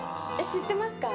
知ってますか？